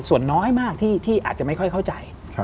ส่วนน้อยมากที่อาจจะไม่ค่อยเข้าใจ